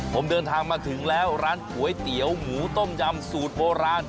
ผมเดินทางมาถึงแล้วร้านก๋วยเตี๋ยวหมูต้มยำสูตรโบราณ